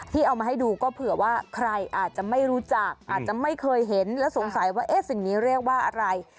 เอามาให้ดูก็เผื่อว่าใครอาจจะไม่รู้จักอาจจะไม่เคยเห็นและสงสัยว่าเอ๊ะสิ่งนี้เรียกว่าอะไร